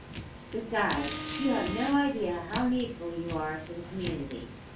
Besides, you have no idea how needful you are to the community.